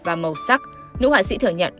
và màu sắc nữ họa sĩ thừa nhận